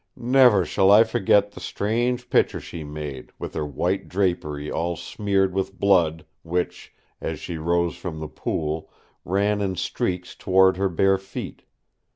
Never shall I forget the strange picture she made, with her white drapery all smeared with blood which, as she rose from the pool, ran in streaks toward her bare feet.